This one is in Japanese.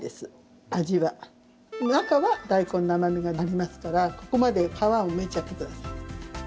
中は大根の甘みがありますからここまで皮をむいちゃってください。